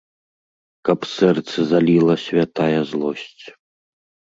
Каб сэрцы заліла святая злосць!